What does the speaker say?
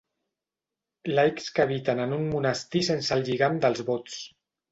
Laics que habiten en un monestir sense el lligam dels vots.